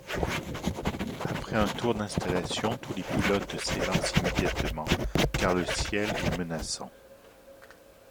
Après un tour d'installation, tous les pilotes s'élancent immédiatement car le ciel est menaçant.